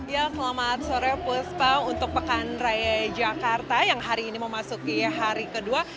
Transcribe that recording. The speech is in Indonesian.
ya selamat sore puspa untuk pekan raya jakarta yang hari ini memasuki hari kedua